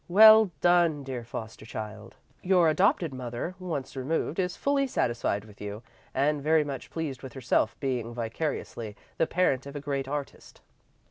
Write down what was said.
"Well done, dear foster child. Your adopted mother, once removed, is fully satisfied with you, and very much pleased with herself, being, vicariously, the parent of a great artist."